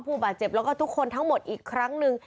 ผู้บาดเจ็บแล้วก็ทุกคนทั้งหมดอีกครั้งหนึ่ง